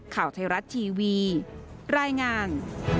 ข่าวไทยรัฐทีวีรายงาน